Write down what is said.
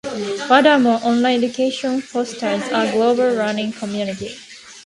Furthermore, online education fosters a global learning community.